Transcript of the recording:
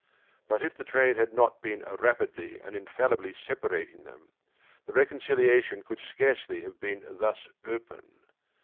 But if the train had not been rapidly and infallibly separating them, the reconciliation could scarcely have been thus open.